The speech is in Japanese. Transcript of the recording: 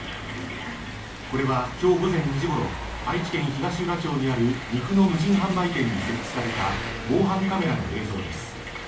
これは今日午前２時ごろ愛知県東浦町にある肉の無人販売店に設置された防犯カメラの映像です。